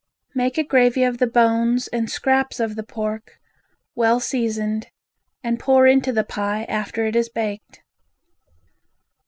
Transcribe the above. Make a gravy of the bones and scraps of the pork, well seasoned, and pour into the pie after it is baked.